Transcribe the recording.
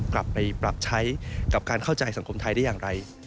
กลับไปปรับใช้กับการเข้าใจสังคมไทยได้อย่างไร